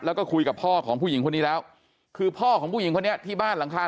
แล้วก็คุยกับพ่อของผู้หญิงคนนี้แล้วคือพ่อของผู้หญิงคนนี้ที่บ้านหลังคา